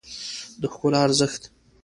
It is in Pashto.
د ښکلا ارزښت